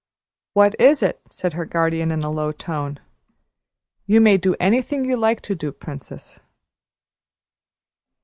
"What is it?" said her guardian in a low tone. "You may do anything you like to do, Princess."